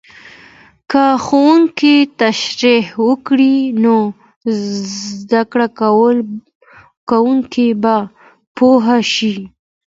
که ښوونکی تشریح وکړي، نو زده کوونکی به پوه شي.